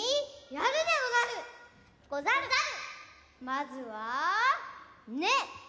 まずは「子」！